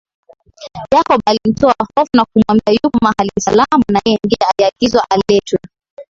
Jacob alimtoa hofu na kumwambia yupo mahali salama na yeye ndio aliagizwa aletwe